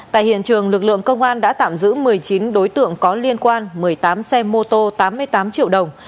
tại hiện trường lực lượng công an đã tạm giữ một mươi chín đối tượng có liên quan một mươi tám xe mô tô tám mươi tám triệu đồng